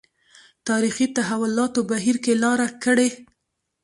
تاریخي تحولاتو بهیر کې لاره کړې.